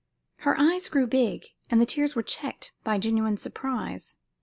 Her eyes grew big, and the tears were checked by genuine surprise.